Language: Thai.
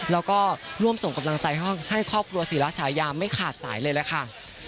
แล้วก็ร่วมส่งกำลังใจให้ครอบครัวศรีราชายาไม่ขาดสายเลยล่ะค่ะ